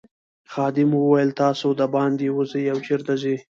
خادم وویل تاسي دباندې وزئ او چیرته ځئ.